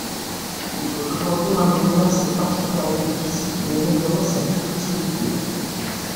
Il faut aujourd'hui maintenir ses particularités physiques et améliorer sa productivité.